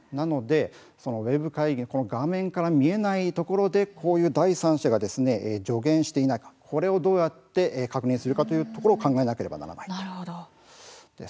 ウェブ会議、画面から見えないところで、こういう第三者が助言していないか。これをどうやって確認するかというところを確認しなければいけません。